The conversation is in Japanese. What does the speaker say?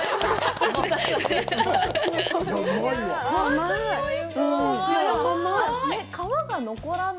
甘い！